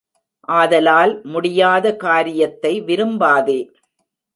ஆதலால் முடியாத காரியத்தை விரும்பாதே.